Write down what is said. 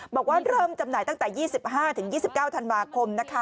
บอกว่าเริ่มจำหน่ายตั้งแต่๒๕๒๙ธันวาคมนะคะ